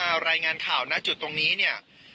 รายงานข่าวณจุดตรงนี้เนี่ย